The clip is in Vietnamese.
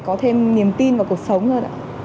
có thêm niềm tin vào cuộc sống thôi ạ